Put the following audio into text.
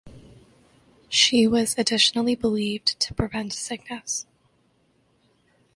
She was additionally believed to prevent sickness.